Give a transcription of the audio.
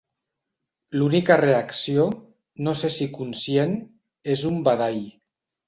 L'única reacció, no sé si conscient, és un badall.